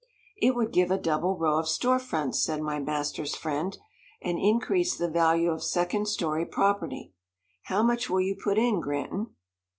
"It would give a double row of store fronts," said my master's friend, "and increase the value of second story property. How much will you put in, Granton?"